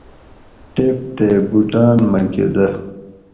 ٹیپ تے بوٹاۤن مکہۤ دہ